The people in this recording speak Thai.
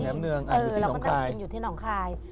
แหนมเนืองอยู่ที่หนองคาย